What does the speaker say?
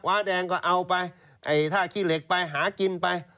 ้าแดงก็เอาไปไอ้ท่าขี้เหล็กไปหากินไป